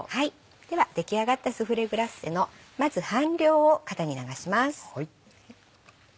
では出来上がったスフレグラッセのまず半量を型に流します。